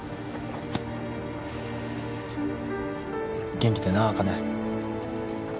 元気でな茜